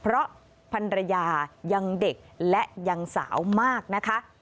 เพราะพันรยายังเด็กและยังสาวมากนะคะ